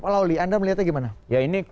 lawli anda melihatnya gimana ya ini